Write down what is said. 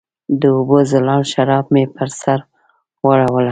د اوبو زلال شراب مې پر سر واړوله